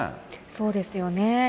そうですよね。